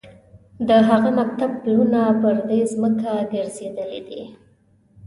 د هغه مکتب پلونه پر دې ځمکه ګرځېدلي دي.